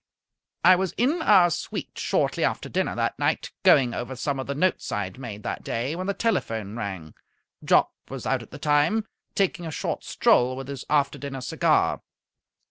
I was in our suite shortly after dinner that night, going over some of the notes I had made that day, when the telephone rang. Jopp was out at the time, taking a short stroll with his after dinner cigar.